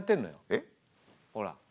えっ？ほら。